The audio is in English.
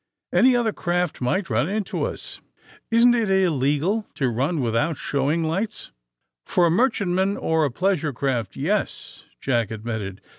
^^Any other craft might run into us. Isn't it illegal to run without show ing lights?" *^For a merchantman or a pleasure craft, yes," Jack admitted.